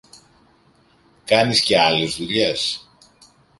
Κάνεις και άλλες δουλειές;